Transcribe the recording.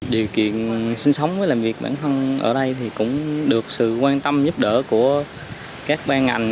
điều kiện sinh sống với làm việc bản thân ở đây thì cũng được sự quan tâm giúp đỡ của các ban ngành